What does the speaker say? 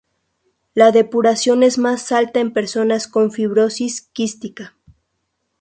La depuración es más alta en personas con fibrosis quística.